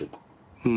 うん。